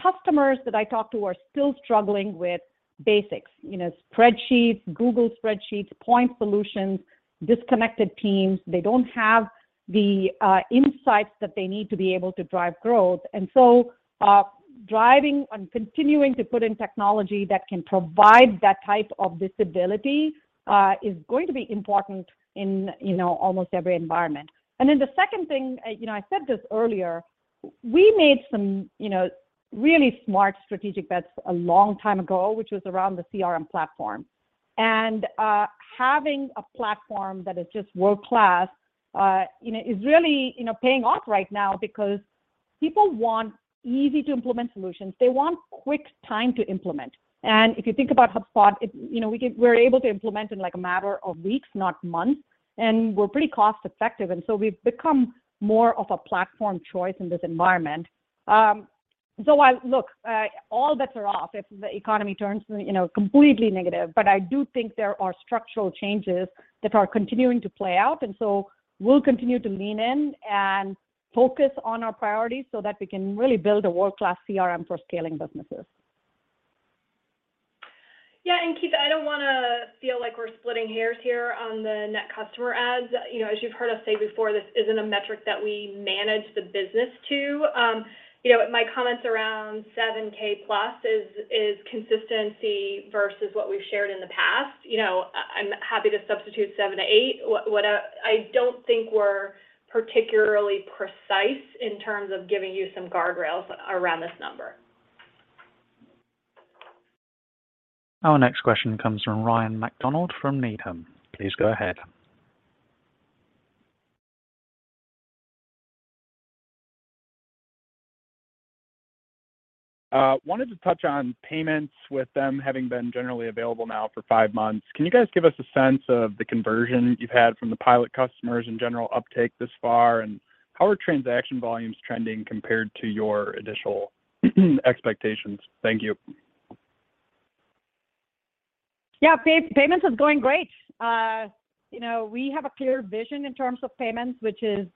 Customers that I talk to are still struggling with basics. You know, spreadsheets, Google spreadsheets, point solutions, disconnected teams. They don't have the insights that they need to be able to drive growth. Driving and continuing to put in technology that can provide that type of visibility is going to be important in, you know, almost every environment. The second thing, you know, I said this earlier, we made some, you know, really smart strategic bets a long time ago, which was around the CRM platform. Having a platform that is just world-class, you know, is really, you know, paying off right now because people want easy-to-implement solutions. They want quick time to implement. If you think about HubSpot, it, you know, we're able to implement in, like, a matter of weeks, not months, and we're pretty cost-effective, and so we've become more of a platform choice in this environment. While. Look, all bets are off if the economy turns, you know, completely negative, but I do think there are structural changes that are continuing to play out. We'll continue to lean in and focus on our priorities so that we can really build a world-class CRM for scaling businesses. Yeah, Keith, I don't wanna feel like we're splitting hairs here on the net customer adds. You know, as you've heard us say before, this isn't a metric that we manage the business to. You know, my comments around 7K plus is consistency versus what we've shared in the past. You know, I'm happy to substitute 7 to 8, whatever. I don't think we're particularly precise in terms of giving you some guardrails around this number. Our next question comes from Ryan MacDonald from Needham. Please go ahead. Wanted to touch on payments with them having been generally available now for five months. Can you guys give us a sense of the conversion you've had from the pilot customers and general uptake thus far? How are transaction volumes trending compared to your initial expectations? Thank you. Yeah. Payments is going great. You know, we have a clear vision in terms of payments, which is,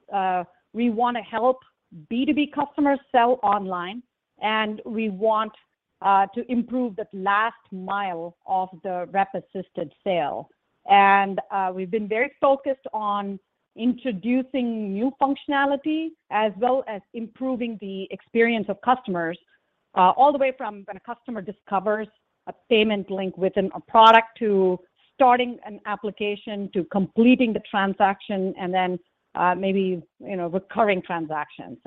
we wanna help B2B customers sell online, and we want to improve the last mile of the rep-assisted sale. We've been very focused on introducing new functionality as well as improving the experience of customers all the way from when a customer discovers a payment link within a product to starting an application to completing the transaction and then maybe, you know, recurring transactions.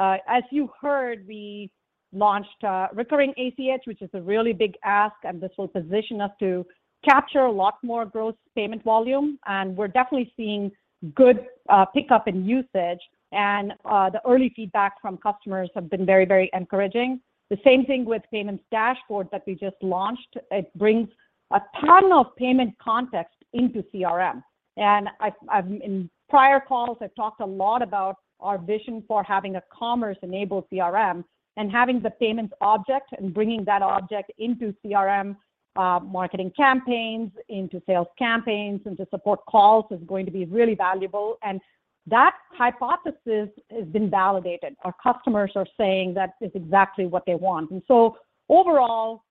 As you heard, we launched recurring ACH, which is a really big ask, and this will position us to capture a lot more gross payment volume. We're definitely seeing good pickup in usage. The early feedback from customers have been very, very encouraging. The same thing with payments dashboard that we just launched. It brings a ton of payment context into CRM. In prior calls, I've talked a lot about our vision for having a commerce-enabled CRM, and having the payments object and bringing that object into CRM, marketing campaigns, into sales campaigns, into support calls is going to be really valuable. That hypothesis has been validated. Our customers are saying that is exactly what they want. Overall,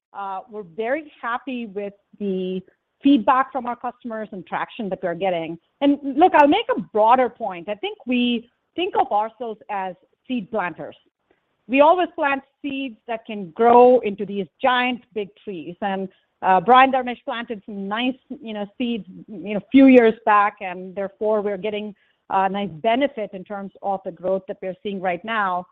we're very happy with the feedback from our customers and traction that we're getting. Look, I'll make a broader point. I think we think of ourselves as seed planters. We always plant seeds that can grow into these giant, big trees. Brian Halligan and Dharmesh Shah planted some nice, you know, seeds, you know, few years back, and therefore, we're getting a nice benefit in terms of the growth that we're seeing right now.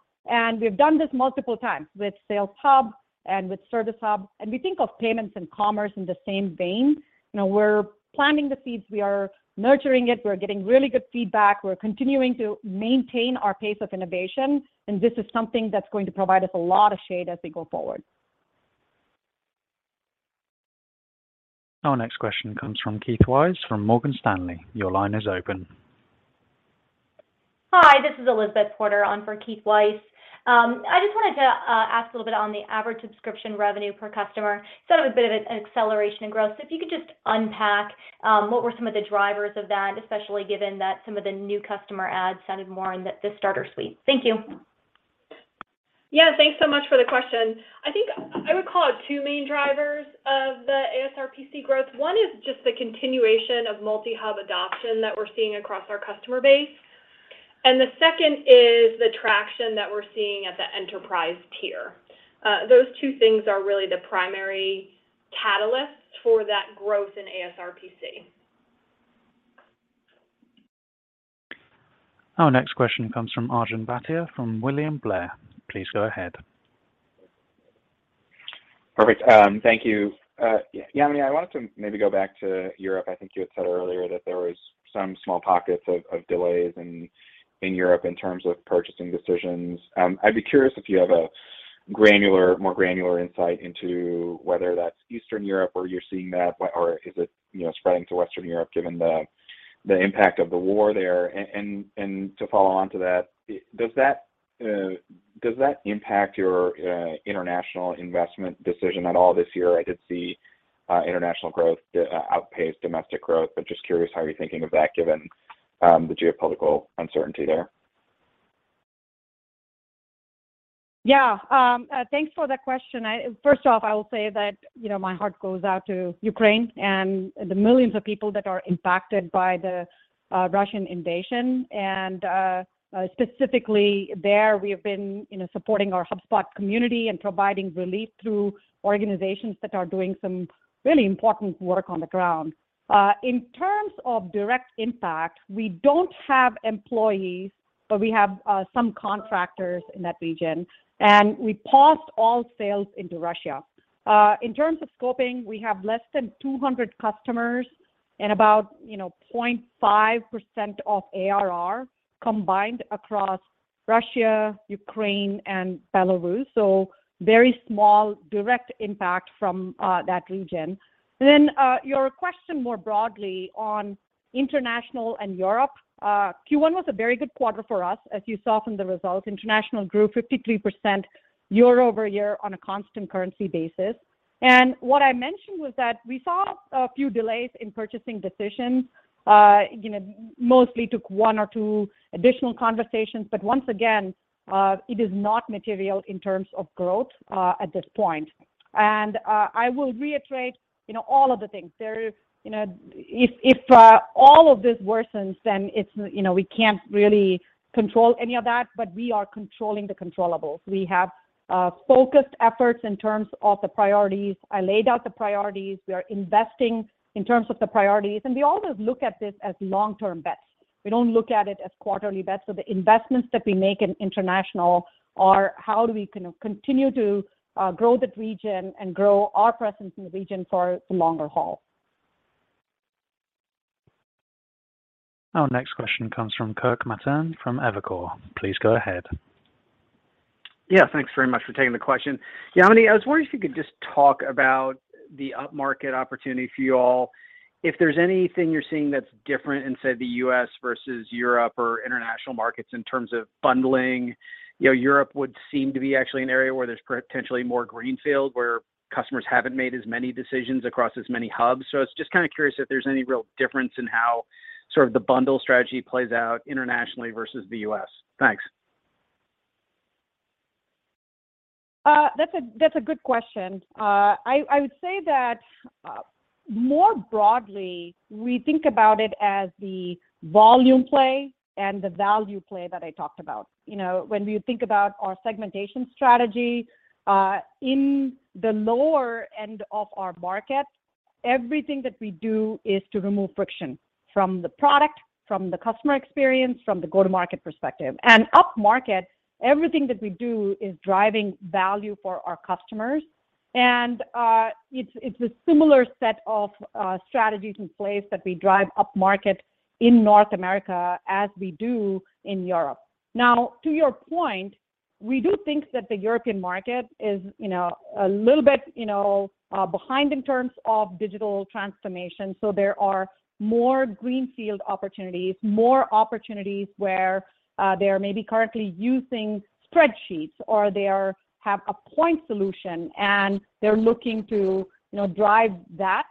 We've done this multiple times with Sales Hub and with Service Hub. We think of payments and commerce in the same vein. You know, we're planting the seeds. We are nurturing it. We're getting really good feedback. We're continuing to maintain our pace of innovation. This is something that's going to provide us a lot of shade as we go forward. Our next question comes from Keith Weiss from Morgan Stanley. Your line is open. Hi, this is Elizabeth Porter on for Keith Weiss. I just wanted to ask a little bit on the average subscription revenue per customer. Sort of a bit of an acceleration in growth. If you could just unpack what were some of the drivers of that, especially given that some of the new customer adds sounded more in the starter suite. Thank you. Yeah. Thanks so much for the question. I think I would call out two main drivers of the ASRPC growth. One is just the continuation of multi-hub adoption that we're seeing across our customer base, and the second is the traction that we're seeing at the enterprise tier. Those two things are really the primary catalysts for that growth in ASRPC. Our next question comes from Arjun Bhatia from William Blair. Please go ahead. Perfect. Thank you. Yeah, Yamini, I wanted to maybe go back to Europe. I think you had said earlier that there was some small pockets of delays in Europe in terms of purchasing decisions. I'd be curious if you have a more granular insight into whether that's Eastern Europe where you're seeing that, or is it, you know, spreading to Western Europe given the impact of the war there. To follow on to that, does that impact your international investment decision at all this year? I did see international growth outpace domestic growth. I'm just curious how you're thinking of that given the geopolitical uncertainty there. Yeah, thanks for that question. First off, I will say that, you know, my heart goes out to Ukraine and the millions of people that are impacted by the Russian invasion. Specifically there, we have been, you know, supporting our HubSpot community and providing relief through organizations that are doing some really important work on the ground. In terms of direct impact, we don't have employees, but we have some contractors in that region, and we paused all sales into Russia. In terms of scoping, we have less than 200 customers and about, you know, 0.5% of ARR combined across Russia, Ukraine, and Belarus. Very small direct impact from that region. Your question more broadly on international and Europe. Q1 was a very good quarter for us, as you saw from the results. International grew 53% year-over-year on a constant currency basis. What I mentioned was that we saw a few delays in purchasing decisions, you know, mostly took one or two additional conversations. Once again, it is not material in terms of growth, at this point. I will reiterate, you know, all of the things. You know, if all of this worsens, then it's, you know, we can't really control any of that, but we are controlling the controllables. We have focused efforts in terms of the priorities. I laid out the priorities. We are investing in terms of the priorities, and we always look at this as long-term bets. We don't look at it as quarterly bets. The investments that we make in international are how do we continue to grow that region and grow our presence in the region for the longer haul. Our next question comes from Kirk Materne from Evercore. Please go ahead. Yeah, thanks very much for taking the question. Yamini, I was wondering if you could just talk about the upmarket opportunity for you all. If there's anything you're seeing that's different inside the U.S. versus Europe or international markets in terms of bundling. You know, Europe would seem to be actually an area where there's potentially more greenfield, where customers haven't made as many decisions across as many hubs. I was just kind of curious if there's any real difference in how sort of the bundle strategy plays out internationally versus the U.S. Thanks. That's a good question. I would say that, more broadly, we think about it as the volume play and the value play that I talked about. You know, when we think about our segmentation strategy, in the lower end of our market, everything that we do is to remove friction from the product, from the customer experience, from the go-to-market perspective. Upmarket, everything that we do is driving value for our customers. It's a similar set of strategies in place that we drive upmarket in North America as we do in Europe. Now, to your point, we do think that the European market is, you know, a little bit, you know, behind in terms of digital transformation. There are more greenfield opportunities, more opportunities where they are maybe currently using spreadsheets or they have a point solution and they're looking to, you know, drive that.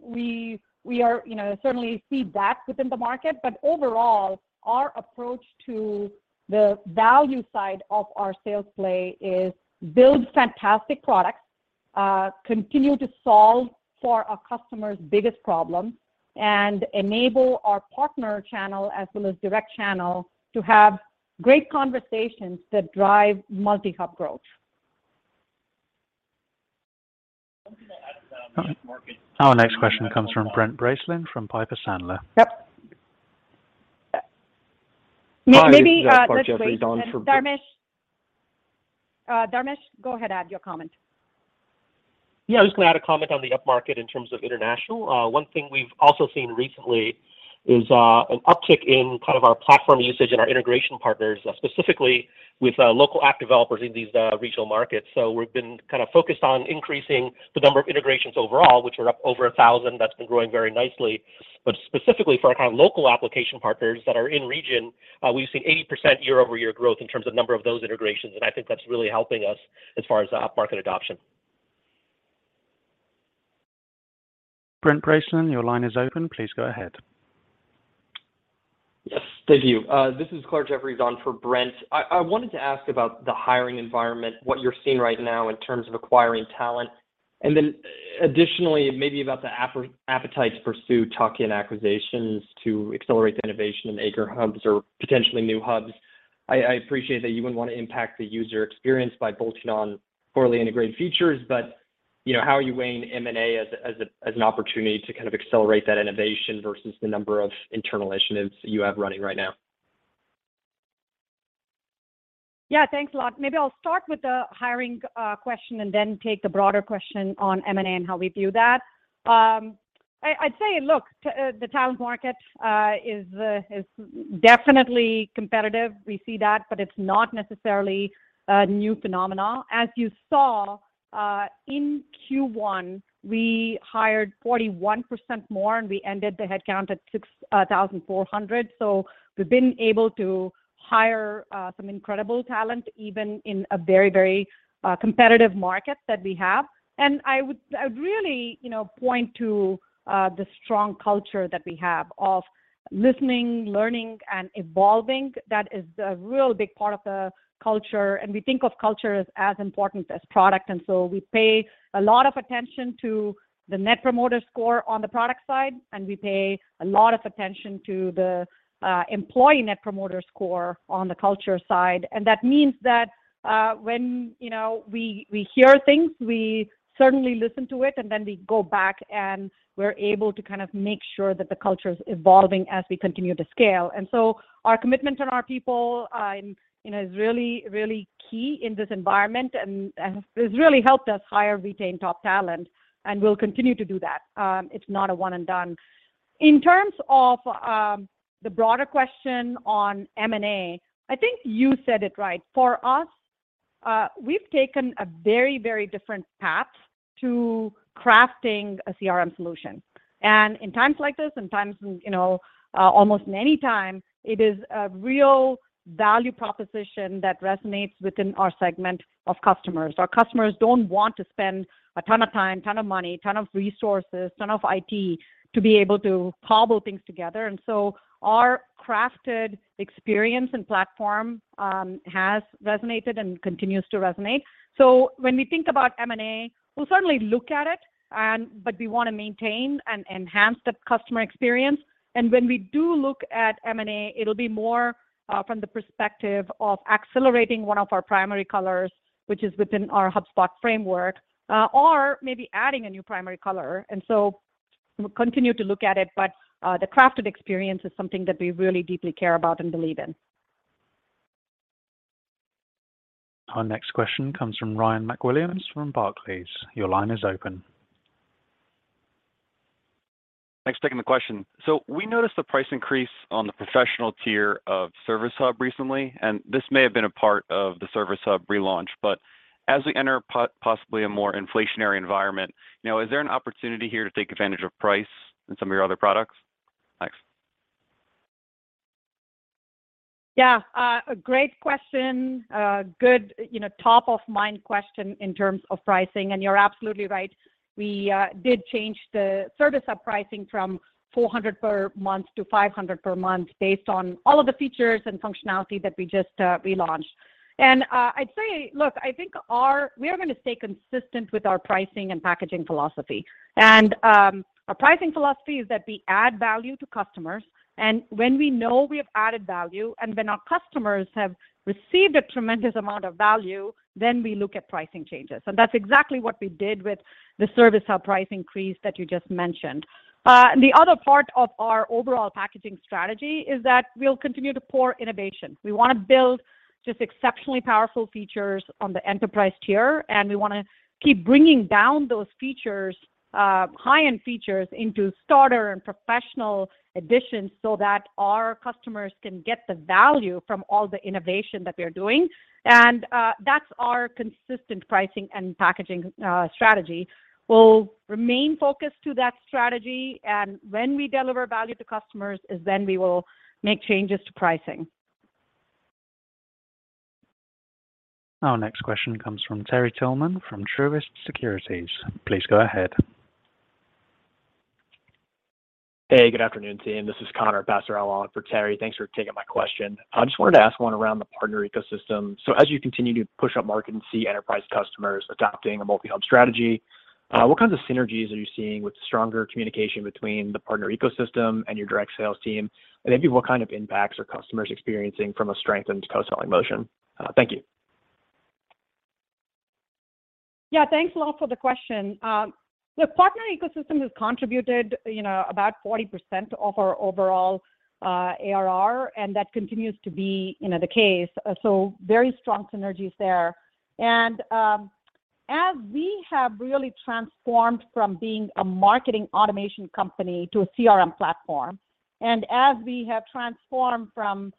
We are, you know, certainly see that within the market. Overall, our approach to the value side of our sales play is build fantastic products, continue to solve for our customers' biggest problem, and enable our partner channel as well as direct channel to have great conversations that drive multi-hub growth. Our next question comes from Brent Bracelin from Piper Sandler. Yep. Maybe, Sorry, this is Clarke Jefferies. Dharmesh. Dharmesh, go ahead, add your comment. Yeah, I'm just gonna add a comment on the upmarket in terms of international. One thing we've also seen recently is an uptick in kind of our platform usage and our integration partners, specifically with local app developers in these regional markets. We've been kind of focused on increasing the number of integrations overall, which are up over 1,000. That's been growing very nicely. Specifically for our kind of local application partners that are in region, we've seen 80% year-over-year growth in terms of number of those integrations, and I think that's really helping us as far as the upmarket adoption. Brent Bracelin, your line is open. Please go ahead. Yes. Thank you. This is Clarke Jefferies on for Brent. I wanted to ask about the hiring environment, what you're seeing right now in terms of acquiring talent. Then additionally, maybe about the appetite to pursue tuck-in acquisitions to accelerate the innovation in our core hubs or potentially new hubs. I appreciate that you wouldn't want to impact the user experience by bolting on poorly integrated features, but You know, how are you weighing M&A as an opportunity to kind of accelerate that innovation versus the number of internal initiatives that you have running right now? Yeah, thanks a lot. Maybe I'll start with the hiring question and then take the broader question on M&A and how we view that. I'd say, look, the talent market is definitely competitive. We see that, but it's not necessarily a new phenomenon. As you saw in Q1, we hired 41% more, and we ended the headcount at 6,400. So we've been able to hire some incredible talent, even in a very competitive market that we have. I would really, you know, point to the strong culture that we have of listening, learning, and evolving. That is a real big part of the culture, and we think of culture as important as product. We pay a lot of attention to the net promoter score on the product side, and we pay a lot of attention to the employee net promoter score on the culture side. That means that when you know we hear things, we certainly listen to it, and then we go back and we're able to kind of make sure that the culture is evolving as we continue to scale. Our commitment to our people you know is really key in this environment and has really helped us hire, retain top talent, and we'll continue to do that. It's not a one and done. In terms of the broader question on M&A, I think you said it right. For us, we've taken a very different path to crafting a CRM solution. In times like this, you know, almost in any time, it is a real value proposition that resonates within our segment of customers. Our customers don't want to spend a ton of time, ton of money, ton of resources, ton of IT to be able to cobble things together. Our crafted experience and platform has resonated and continues to resonate. When we think about M&A, we'll certainly look at it and, but we wanna maintain and enhance the customer experience. When we do look at M&A, it'll be more from the perspective of accelerating one of our primary colors, which is within our HubSpot framework, or maybe adding a new primary color. We'll continue to look at it, but the crafted experience is something that we really deeply care about and believe in. Our next question comes from Ryan McWilliams from Barclays. Your line is open. Thanks for taking the question. We noticed the price increase on the professional tier of Service Hub recently, and this may have been a part of the Service Hub relaunch. As we enter possibly a more inflationary environment, you know, is there an opportunity here to take advantage of price in some of your other products? Thanks. Yeah, a great question. Good, you know, top-of-mind question in terms of pricing, and you're absolutely right. We did change the Service Hub pricing from $400 per month to $500 per month based on all of the features and functionality that we just relaunched. I'd say, look, I think we are gonna stay consistent with our pricing and packaging philosophy. Our pricing philosophy is that we add value to customers, and when we know we have added value, and when our customers have received a tremendous amount of value, then we look at pricing changes. That's exactly what we did with the Service Hub price increase that you just mentioned. The other part of our overall packaging strategy is that we'll continue to pour innovation. We wanna build just exceptionally powerful features on the enterprise tier, and we wanna keep bringing down those features, high-end features into starter and professional editions so that our customers can get the value from all the innovation that we are doing. That's our consistent pricing and packaging strategy. We'll remain focused to that strategy, and when we deliver value to customers is then we will make changes to pricing. Our next question comes from Terry Tillman from Truist Securities. Please go ahead. Hey, good afternoon, team. This is Connor Passarella on for Terry Tillman. Thanks for taking my question. I just wanted to ask one around the partner ecosystem. As you continue to push up market and see enterprise customers adopting a multi-hub strategy, what kinds of synergies are you seeing with stronger communication between the partner ecosystem and your direct sales team? And maybe what kind of impacts are customers experiencing from a strengthened co-selling motion? Thank you. Yeah. Thanks a lot for the question. The partner ecosystem has contributed, you know, about 40% of our overall ARR, and that continues to be, you know, the case, so very strong synergies there. As we have really transformed from being a marketing automation company to a CRM platform, and as we have transformed from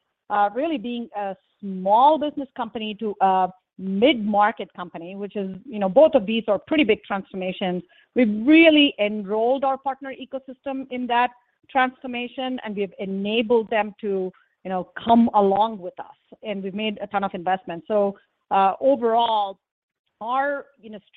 really being a small business company to a mid-market company, which is, you know, both of these are pretty big transformations, we've really enrolled our partner ecosystem in that transformation, and we've enabled them to, you know, come along with us, and we've made a ton of investments. Overall, our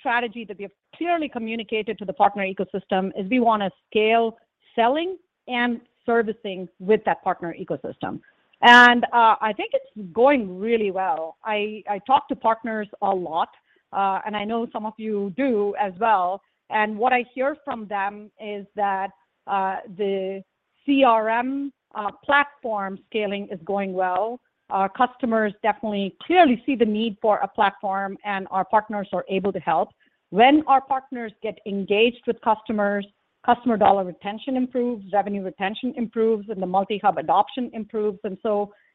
strategy that we have clearly communicated to the partner ecosystem is we wanna scale selling and servicing with that partner ecosystem. I think it's going really well. I talk to partners a lot, and I know some of you do as well, and what I hear from them is that the CRM platform scaling is going well. Our customers definitely clearly see the need for a platform, and our partners are able to help. When our partners get engaged with customers, customer dollar retention improves, revenue retention improves, and the multi-hub adoption improves.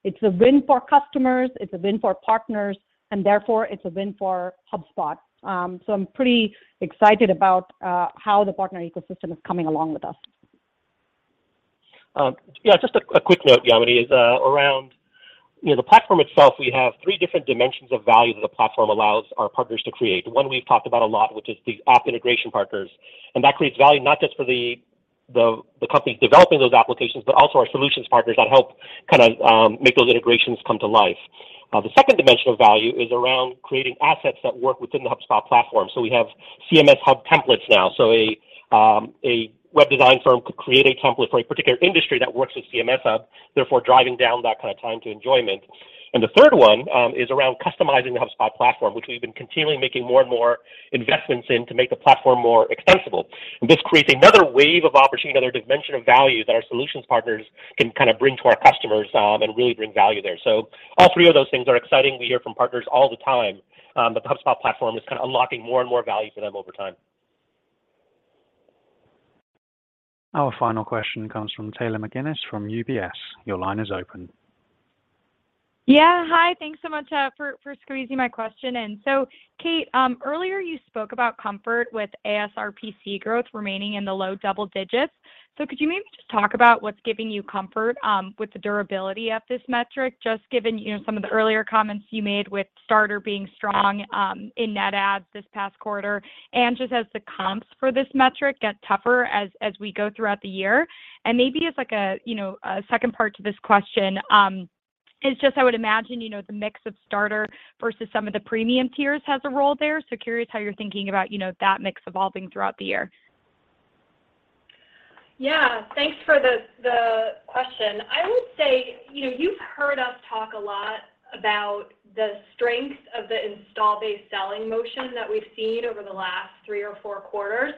It's a win for customers, it's a win for partners, and therefore it's a win for HubSpot. I'm pretty excited about how the partner ecosystem is coming along with us. Yeah, just a quick note, Yamini, is around, you know, the platform itself, we have three different dimensions of value that the platform allows our partners to create. One we've talked about a lot, which is the app integration partners, and that creates value not just for the companies developing those applications, but also our solutions partners that help kinda make those integrations come to life. The second dimension of value is around creating assets that work within the HubSpot platform. So we have CMS Hub templates now. So a web design firm could create a template for a particular industry that works with CMS Hub, therefore driving down that kinda time to enjoyment. The third one is around customizing the HubSpot platform, which we've been continually making more and more investments in to make the platform more extensible. This creates another wave of opportunity, another dimension of value that our solutions partners can kinda bring to our customers, and really bring value there. All three of those things are exciting. We hear from partners all the time, that the HubSpot platform is kinda unlocking more and more value for them over time. Our final question comes from Taylor McGinnis from UBS. Your line is open. Yeah, hi. Thanks so much for squeezing my question in. Kate, earlier you spoke about comfort with ASRPC growth remaining in the low double digits. Could you maybe just talk about what's giving you comfort with the durability of this metric, just given some of the earlier comments you made with Starter being strong in net adds this past quarter, and just as the comps for this metric get tougher as we go throughout the year? Maybe as like a second part to this question, is just I would imagine the mix of Starter versus some of the premium tiers has a role there, so curious how you're thinking about that mix evolving throughout the year. Yeah. Thanks for the question. I would say, you know, you've heard us talk a lot about the strength of the install-based selling motion that we've seen over the last three or four quarters.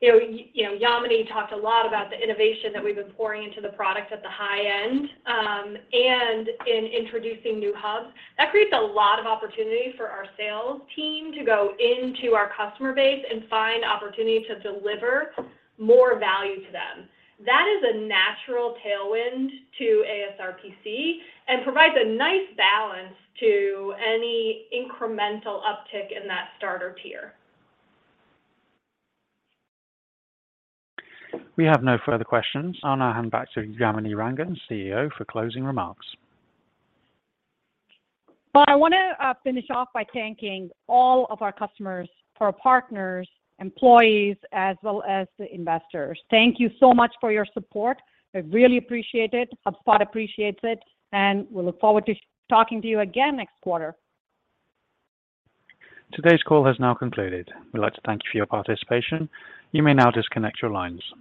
You know, Yamini talked a lot about the innovation that we've been pouring into the product at the high end, and in introducing new hubs. That creates a lot of opportunity for our sales team to go into our customer base and find opportunity to deliver more value to them. That is a natural tailwind to ASRPC and provides a nice balance to any incremental uptick in that starter tier. We have no further questions. I'll now hand back to Yamini Rangan, CEO, for closing remarks. Well, I wanna finish off by thanking all of our customers, our partners, employees, as well as the investors. Thank you so much for your support. I really appreciate it, HubSpot appreciates it, and we look forward to talking to you again next quarter. Today's call has now concluded. We'd like to thank you for your participation. You may now disconnect your lines.